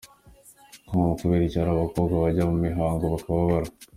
com: Kubera iki hari abakobwa bajya mu mihango bakababara?.